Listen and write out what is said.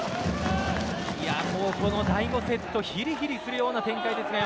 この第５セットひりひりするような展開ですね。